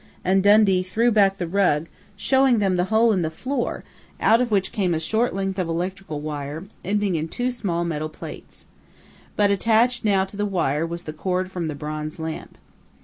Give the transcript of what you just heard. and Dundee threw back the rug, showing them the hole in the floor, out of which came a short length of electric wire, ending in two small metal plates. But attached now to the wire was the cord from the bronze lamp.